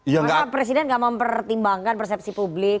masa presiden nggak mempertimbangkan persepsi publik